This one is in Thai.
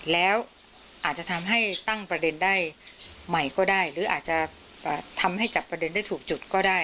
แล้วอาจจะทำให้ตั้งประเด็นได้ใหม่ก็ได้หรืออาจจะทำให้จับประเด็นได้ถูกจุดก็ได้